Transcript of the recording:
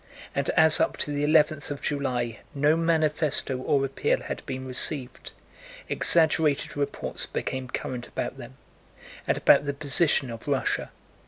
And as up to the eleventh of July no manifesto or appeal had been received, exaggerated reports became current about them and about the position of Russia.